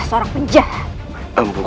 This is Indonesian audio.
itu dapat jelpun